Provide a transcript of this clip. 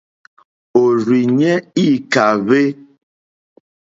Òrzìɲɛ́ î kàhwé.